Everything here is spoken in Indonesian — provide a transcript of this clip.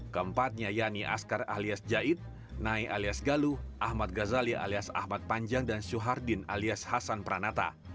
kempatnya yani askar alias jait nay alias galuh ahmad ghazali alias ahmad panjang dan syuhardin alias hasan pranata